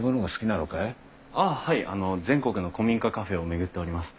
あの全国の古民家カフェを巡っております。